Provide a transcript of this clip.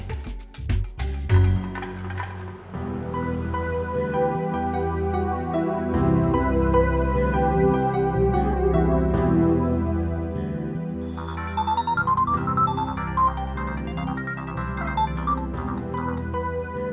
sekitar dua ratus meter dari sini